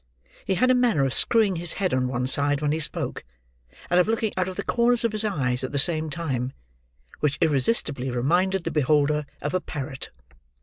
He had a manner of screwing his head on one side when he spoke; and of looking out of the corners of his eyes at the same time: which irresistibly reminded the beholder of a parrot.